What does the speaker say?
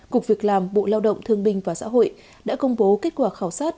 cục việc làm bộ lao động thương binh và xã hội đã công bố kết quả khảo sát